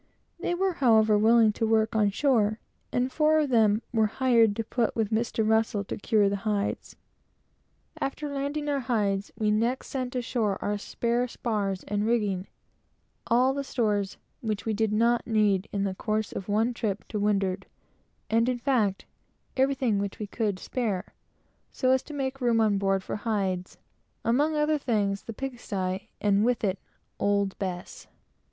They were, however, willing to work on shore, and four of them were hired and put with Mr. Russell to cure the hides. After landing our hides, we next sent ashore all our spare spars and rigging; all the stores which we did not want to use in the course of one trip to windward; and, in fact, everything which we could spare, so as to make room for hides: among other things, the pig sty, and with it "old Bess."